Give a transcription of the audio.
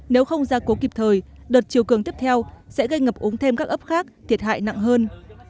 nếu không gia cố kịp thời đợt chiều cường tiếp theo sẽ gây ngập úng thêm các ấp khác thiệt hại nặng hơn